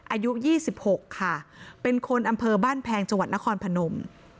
อายุ๒๖ค่ะเป็นคนอำเภอบ้านแพงจังหวัดนครพนม